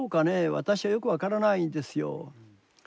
私はよく分からないんですよ。